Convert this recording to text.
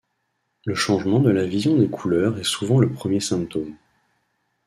Le changement de la vision des couleurs est souvent le premier symptôme.